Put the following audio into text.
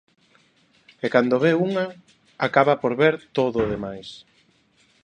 E cando ve unha, acaba por ver todo o demais.